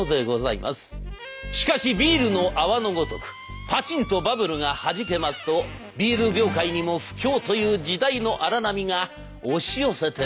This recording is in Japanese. しかしビールの泡のごとくパチンとバブルがはじけますとビール業界にも不況という時代の荒波が押し寄せてまいります。